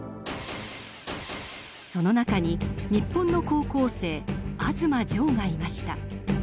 その中に日本の高校生東丈がいました。